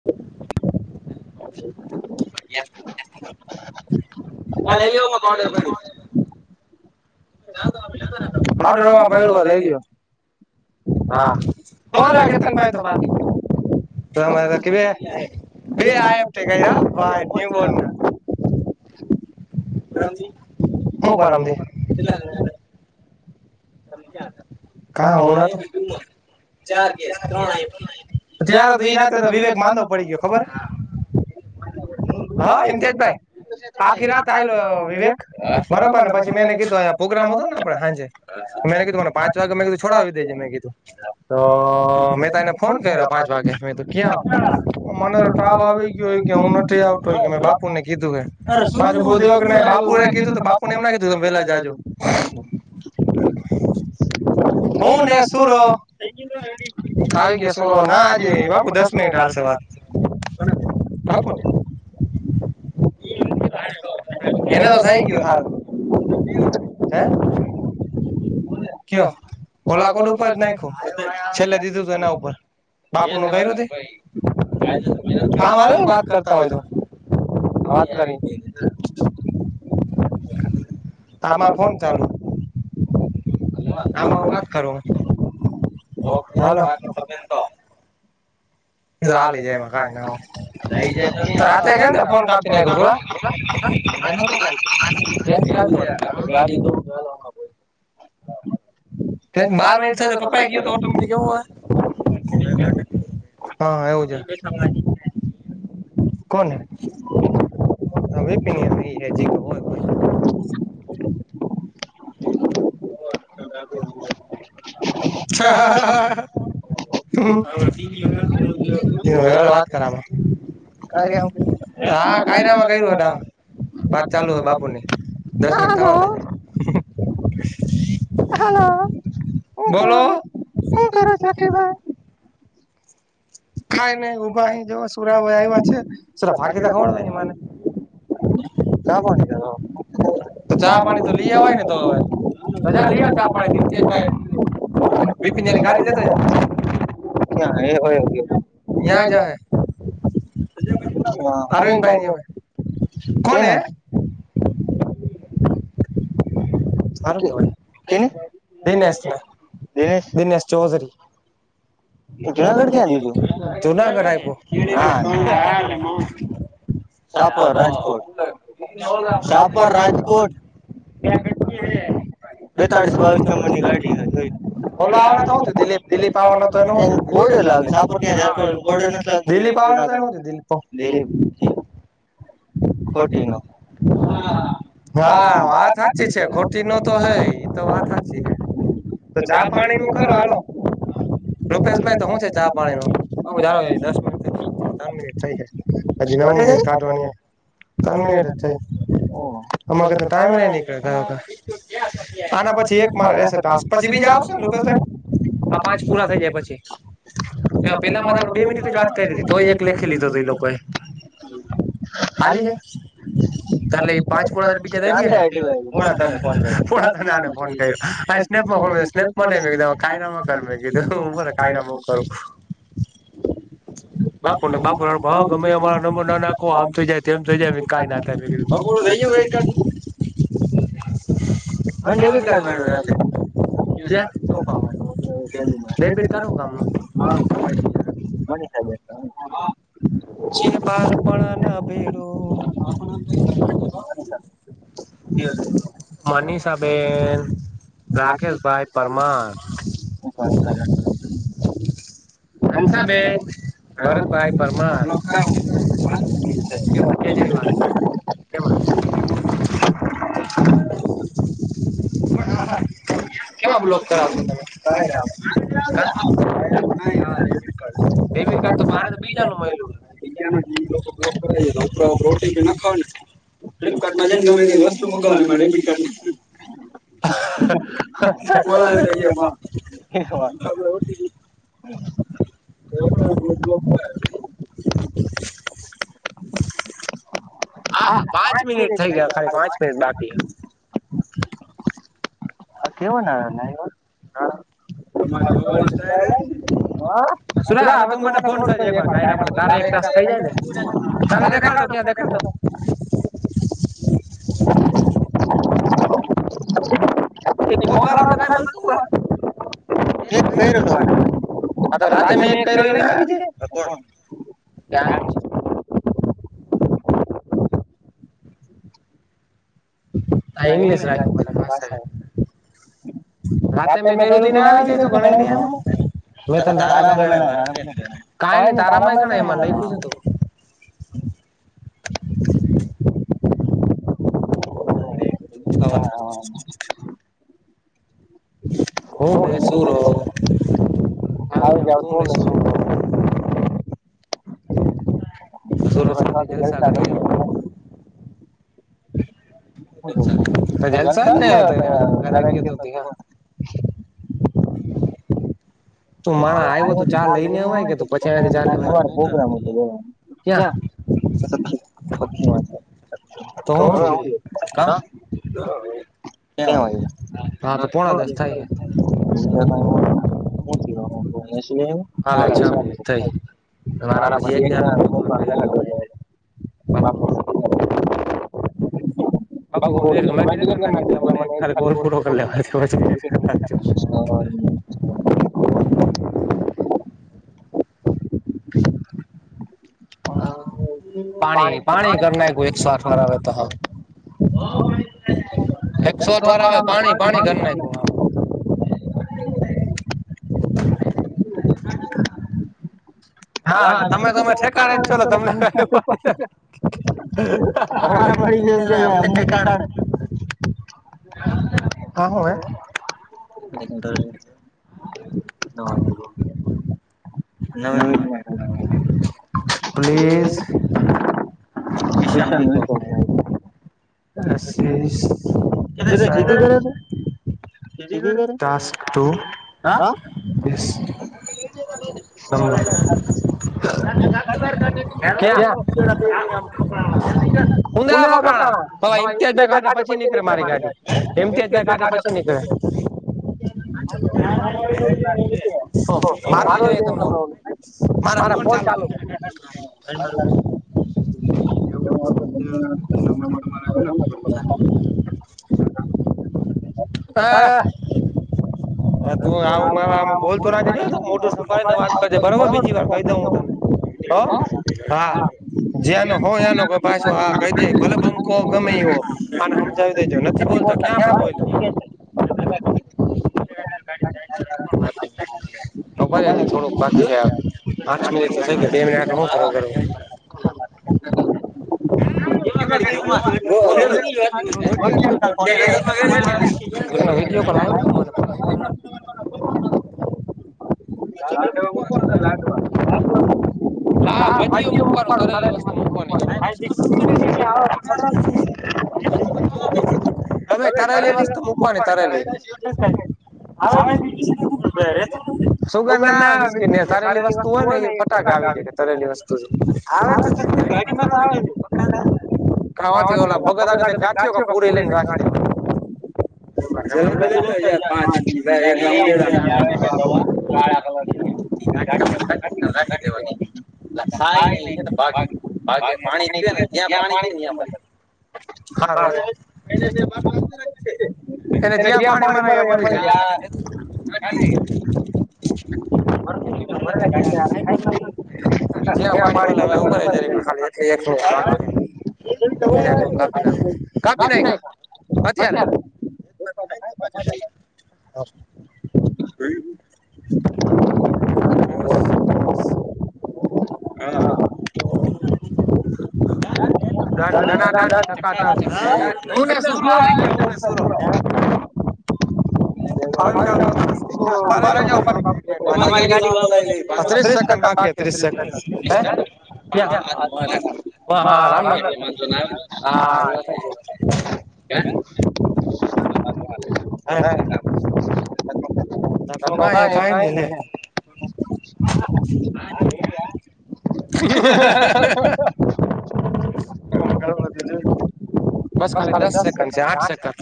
હમ [inaudible] વી [unintelligible] પ લઈ લ્યો હા બલા આાગે તનપાયતો બાકી રે કે બે બરામે કા હોના ચ કે ત્યારે તોઈતે તો વિવેક માંો પ છે, ખબર હ [unintelligible] આ કિલા વિવેક બરોબર ને પછી મે છોકરામાં હતો ને થાય. [unintelligible] તમેને કી કોણ પાંચ ચ વાગે મે કીધું છોડાવી દેજે મેગી ત તો મેં ત એને ફોન કર્યો પાંચ વાગે. તો ક્યાં મને ટાવ આવી ગયો હોય કે હું નથી, આવતો હોય કે મેં બાપુ ને કીધું કે અસ [unintelligible] પાછ બોધી વખત બાપુ એ કીધું તો બાપુ ને એમ ના કીધું તમે વેલા જાજો હું ને શુંરો આવીારી ગયા સોરો ના આજે બાપુ દસ મિનિટ હાલશે વાત રાકોન થઈ ગયો હ હે કયો ઓલા કોડ ઉપર જીુ કામ આવેને વાત કરતા હોય, તો આમાં ફોન ચાલો વાત કરુંાલ ખ તો ચાલે જ કઈ ના હ રાત્રે કે ફોન કાપી ન કરુ ત બાર મિનિટ થાય તો કપાઈ ગયો તો મ કેવું હોય. હા, એવું જ કોને હ હ ડ વાત કરમાં હા કાયરામાં ક્યુ વાત ચાલુ છે, બાપુ ની દસ મિનિટ થવા દે હલો હું કરો હું કરો છ, કે ભાઈ ક નહી ઉભા પુરા હો પ ભાજી લ ખ ના પાણી દ હજા લઈ છ, આપ દીભાઈ બપિનની ગાડી લેતો હ્યા એ હોય. જં હૈ અચ્છા અરવિંદ ભાઈ નો. કોણ હે સારું કહેવાય દિનેશ ને દિનેશ ચૌધરી. [unintelligible] જુઢ જુનાગઢ આવ સાપર રાજકોટ સાપર રાજકોટ હ પતાળીસ બાવીસ મની ગાડી ઓવાનુંું દિલીપ આવવા લ્યોપ દલીપવા નુ ખોટી હા વા થ ખોટી નતો હે એ તો વાત તો ચા પાણી નું કરવાલો. રૂપેશભાઈ તો હું છે ચા પાણી નુ દસ મિનિટ તણ મિનિટ થાય છે હજી નવ મિનિટ કાઢવાની ત્રણ મિનિટ જ થઈ અમાર કને ટાઈમ જ નહીં નીકળે. આના પછી એક મારે રેશે ટાસ્ક પછી બીજા આવશે ને લોકેશ ભાઈ. આ પાંચ પૂરા થઈ જાય પછી. એ પેલામાં તો આપણે બે મિનિટ જ વાત કરી હતી તોય એક લેખી લીધો તે એ લોકોએ. ખાલી જાય કાલે પાંચ કોડા બીજા ર‌ઈ ગયા ને. પોણા ત્રણે આને ફોન કર્યો અને સ્નેપ માં ફોન સ્નેપ માં કાયરા માં કર હું મને કાયરાું હૂં કરું બાપુ ને બાપુ ભાવ ગમે અમારા નંબર નાખો આમ થઈ જાય તેમ થઈ જાય કઈ ના. પોલું થઈે [unintelligible] હ શું [unintelligible] રેબેટ તારો કામનુ. મનિષા બેન જે બાર પણા ના ભેરો એ મનીષબેન રાકેશભાઈ પરમાર હંસા બેન ભરત ભાઈ પરમાર કેજરીવાલ એમાં [unintelligible] હા હા કેવા બલોક કરાવતો તમે ડેબિટ કાર્ડ તો મારે તો બીજા નું મેયલુ. લોકો્લો કર રોટી નાખાવ ને ફ્લિપકાર્ટ માં જ ને ગમે વસ્તુ શુંભ ગાને મળડ પિક [unintelligible] એલામાં [unintelligible] [inaudible] [unintelligible] હા હા પાંચ મિનિટ થઈ ગયા ખાલી પાંચ મિનિટ બાકી હૈ. આ કેવો ના તમા હ [unintelligible] ના હવે તું મને ફોન કરીજ એકવા ત થ જાય ત દેખાડ ક્યાં દેખા [unintelligible] [unintelligible] બટ વાળ હો [unintelligible] એ થઈરો તોવા [unintelligible] તો રાતે મેં કઈરો ઈ ના આવી જાય હ એંગજ ભાષા રાતે મે કર્યું તું ઈ ના આવી જશ ભણાવ નહી આમાં તારા કઈ નહી તારામાંય પણ મા બરોબર. હવા. હો ને શુંરો. આવી જ તોુંને શું દૂર છવાથી જલસા ઘટ જલસા છે તમારા ઘરે આવ ત લઈને આવવાને પ ત અ પ્રોગ્રામ હતો ગનું ક્યાં [inaudible] સાચી વાત છે હ [unintelligible] કેં હોય, કો એજ મારા પછી એક જણા [unintelligible] બા ઓ [unintelligible] હા. પાણી, પાણી કરતા કોઈ એકસો આઠ વાર આવે તો હવે એકસો આઠ વાળા, પાણી પાણી ગરમે. હા, બરાબર. તમારે મળી જ એમ કે અમને કેસાડે. હ. હા, હોવે. નવીન મા પ્લીઝ. પશા ન [unintelligible] અ [unintelligible] ટ [unintelligible] તમને. હ. ક્યા ઉંદળ પકાણા [unintelligible] ભાઈ, હિતેશ ભાઈ કાઢે પછી નીકળે મારી ગાડી. એમ હિતેશ ભાઈ કાઢે પછી નીકળે. મારુ જોઈ તમને મારે ફોન ચાલુ. એ [unintelligible] હા. હ, તું આવું મારા બોલ તો. રે જો મોટું સંભાળી ને વાત કરજે. બરોબર, બીજી વાર કહી દઉ હું તને, હા. જેનો હો, એનો પાછો આ કહી દે. ભલે પંખો ગમે એ જાવી દેજો નથી બોલતા, ક્યાં આપણે બોલ્યું? [unintelligible] ખબર હજી થોડો પાંચ મિ ઘ ઘ [unintelligible] હા, કેવા ગાડી જોવા. વેડિયો બનાયો છે મે. હ. આ [unintelligible] હા, ભજીયા મૂકવાનો, તરેલી વસ્તુ મૂકવાની. હમ, તરાયલી વસ્તુ મૂકવાની તરેલી. સુગંધ ના આવે. કેને, તળેલી વસ્તુ હોય ને, એ બટાકા આવી જાય. તરેલી વસ્તુ આવે તો આવે. ઓ. ખાવાથી, ઓલા ભગત આગ ગાઠ્યો. પૂરી લઈને નાખી દઈ. જ તો લેતોય યાર પાંચ એકંદે આવે વાળા થાય ન પાણી પી જ્યાં પાણી છે એને જ્યાં પાણી મરે. [unintelligible] બરકટ મરેને ગાડી [unintelligible] જ્યાં પાણી મળે, હા, ઉબળી જ પણ ખાલી. કાપી નાખ્યા, કાપી નાખ્યા અત્યારે. [unintelligible] એ પસ હા હા [unintelligible] દનાકા શ શ હ હાર છે ઉપભારી બાપ તમારી ગાડી વા ત્રીસ સેકન્ડ બા ત્રીસડ હમ હા હ સા ક કઈ [inaudible] હ જો બસ ખાલી દસ સેકન્ડ છે આઠ સેકન્ડ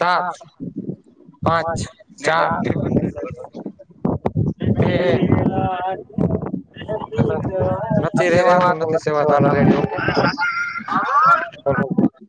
સાત હા પાંચ ચાર [inaudible] છી રેવા તો લ સેવા [unintelligible]